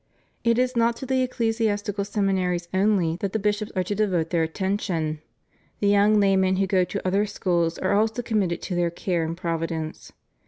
It is not to the ecclesiastical seminaries only that the bishops are to devote their attention; the young laymen who go to other schools are also committed to their care and providence.